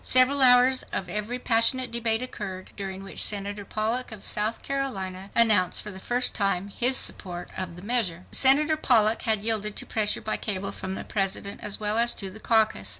Several hours of very passionate debate occurred, during which Senator Pollock of South Carolina announced for the first time his support of the measure. Senator Pollock had yielded to pressure by cable from the President as well as to the caucus.